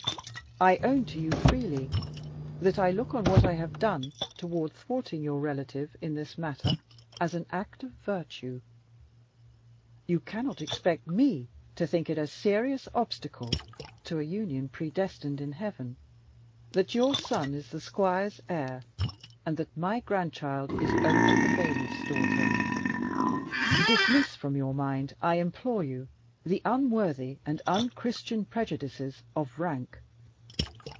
I own to you freely that I look on what I have done toward thwarting your relative in this matter as an act of virtue. You cannot expect me to think it a serious obstacle to a union predestined in heaven, that your son is the squire's heir, and that my grandchild is only the bailiff's daughter. Dismiss from your mind, I implore you, the unworthy and unchristian prejudices of rank.